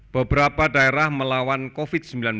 beberapa daerah melawan covid sembilan belas